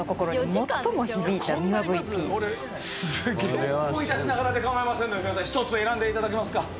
思い出しながらでかまいませんので美輪さん１つ選んでいただけますか。